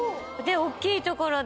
大っきい所で。